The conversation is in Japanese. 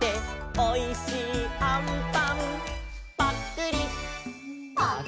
「おいしいあんぱんぱっくり」「」